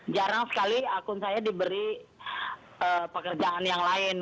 jarang sekali akun saya diberi pekerjaan yang lain